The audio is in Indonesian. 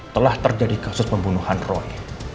telah terjadi kasus pembunuhan roy